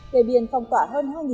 kể biến phòng tỏa hơn hai tỷ đồng